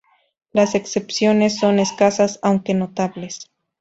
Las excepciones son escasas, aunque notables.